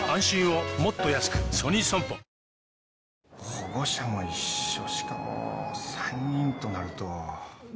保護者も一緒しかも３人となると。